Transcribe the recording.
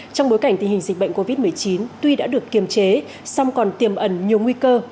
trong bối cảnh tình hình dịch bệnh covid một mươi chín tuy đã được kiềm chế song còn tiềm ẩn nhiều nguy cơ